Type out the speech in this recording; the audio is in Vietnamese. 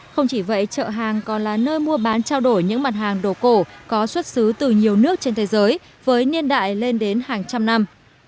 không chỉ vậy chợ hàng còn là nơi mua bán trao đổi những mặt hàng đồ cổ có xuất xứ từ nhiều nước trên thế giới với niên đại lên đến hàng trăm năm